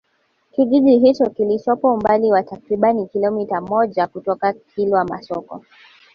Kijiji hicho kilichopo umbali wa takribani kilometa moja kutoka Kilwa Masoko